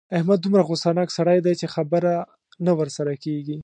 احمد دومره غوسناک سړی دی چې خبره نه ورسره کېږي.